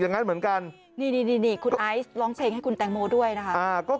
อย่างนั้นเหมือนกันนี่นี่คุณไอซ์ร้องเพลงให้คุณแตงโมด้วยนะคะก็